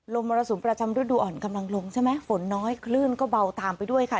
มรสุมประจำฤดูอ่อนกำลังลงใช่ไหมฝนน้อยคลื่นก็เบาตามไปด้วยค่ะ